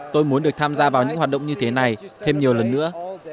tôi muốn được tham gia vào những hoạt động như thế này thêm nhiều lần nữa